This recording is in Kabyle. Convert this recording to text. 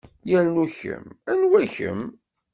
Yernu kemm anwa-kem?